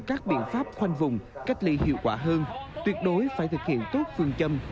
các biện pháp khoanh vùng cách ly hiệu quả hơn tuyệt đối phải thực hiện tốt phương châm